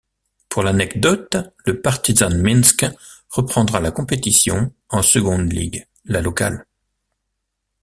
Pour l'anecdote, le Partizan Minsk reprendra la compétition en Second League, la locale.